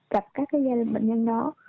gặp các gia đình bệnh nhân đó